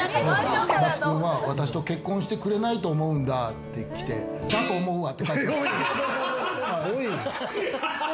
那須くんは私と結婚してくれないと思うんだって来て、だと思うわって返しました。